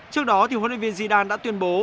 trước đó thì huấn luyện viên zidane đã tuyên bố